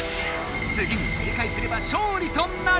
つぎに正解すれば勝利となる！